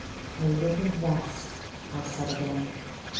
"A little rest," I said again.